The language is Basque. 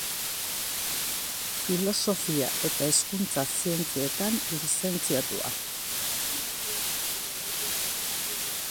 Filosofia eta Hezkuntza Zientzietan lizentziatua.